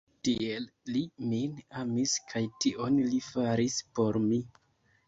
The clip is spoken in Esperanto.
Tiel li min amis kaj tion li faris por mi.